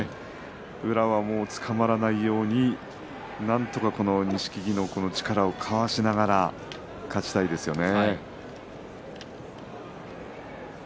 宇良はつかまらないようになんとか錦木の力をかわしながら勝ちたいですよね。